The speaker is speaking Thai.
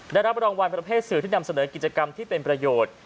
ได้รับรางวัลประเภทสื่อที่นำเสนอกิจกรรมที่เป็นประโยชน์